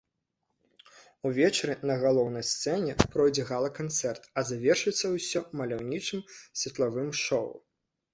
Увечары на галоўнай сцэне пройдзе гала-канцэрт, а завершыцца ўсё маляўнічым светлавым шоу.